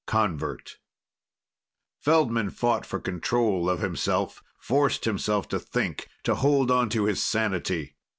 XI Convert Feldman fought for control of himself, forced himself to think, to hold onto his sanity.